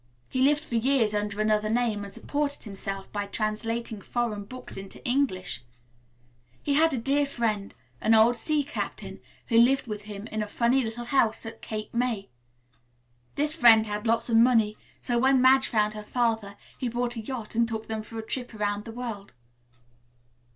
He lived for years under another name and supported himself by translating foreign books into English. He had a dear friend, an old sea captain, who lived with him in a funny little house at Cape May. This friend had lots of money, so when Madge found her father he bought a yacht and took them for a trip around the world."